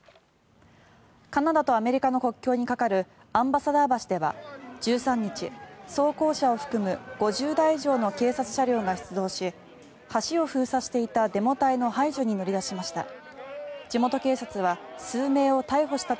カナダとアメリカの国境に架かるアンバサダー橋では１３日、装甲車を含む５０台以上の警察車両が出動し橋を封鎖していたデモ隊の排除に乗り出しました。